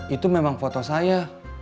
itu memang foto saya